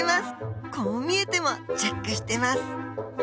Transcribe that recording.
こう見えてもチェックしてます。